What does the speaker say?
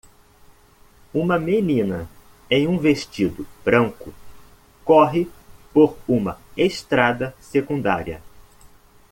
Uma menina em um vestido branco corre por uma estrada secundária.